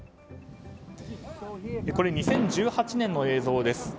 これは２０１８年の映像です。